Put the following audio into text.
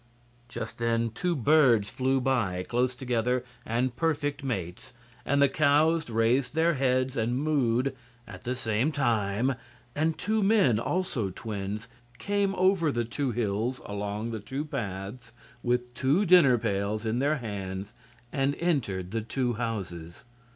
Just then two birds flew by, close together and perfect mates; and the cows raised their heads and "mooed" at the same time; and two men also twins came over the two hills along the two paths with two dinner pails in their hands and entered the two houses.